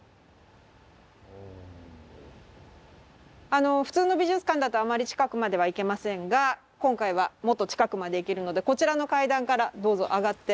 あの普通の美術館だとあまり近くまでは行けませんが今回はもっと近くまで行けるのでこちらの階段からどうぞ上がって。